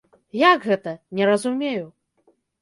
Як гэта, не разумею.